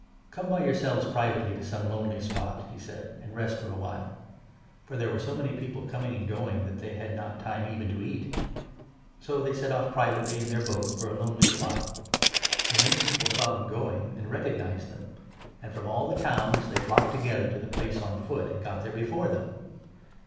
" Come by yourselves privately to some lonely spot," he said, 31 " and rest for a while "— for there were so many people coining and going that they had not time even to eat. So they 32 set off privately in their boat for a lonely spot. And many 33 people saw them going, and recognised them, and from all the towns they flocked together to the place on foot, and got there before them.